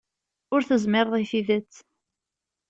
Ur tezmireḍ i tidet.